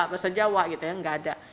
bahasa jawa gitu ya nggak ada